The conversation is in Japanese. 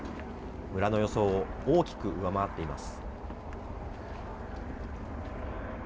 村の予想を大きく上回っています。